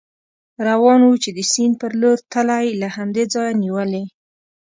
روان و، چې د سیند په لور تلی، له همدې ځایه نېولې.